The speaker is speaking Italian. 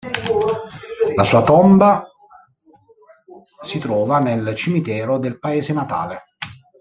La sua tomba si trova nel cimitero del paese natale.